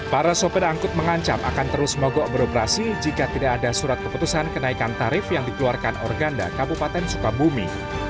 para sopir angkut mengancam akan terus mogok beroperasi jika tidak ada surat keputusan kenaikan tarif yang dikeluarkan organda kabupaten sukabumi